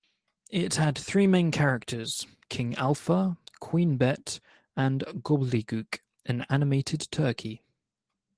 It had three main characters: King Alpha, Queen Bet, and Gobbledygook, an animated turkey.